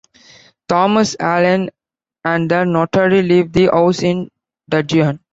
Thomas, Alain and the notary leave the house in dudgeon.